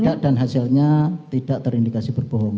tidak dan hasilnya tidak terindikasi berbohong